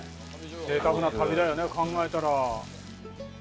贅沢な旅だよね考えたら。